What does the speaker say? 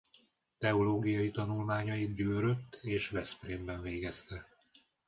Teológiai tanulmányait Győrött és Veszprémben végezte.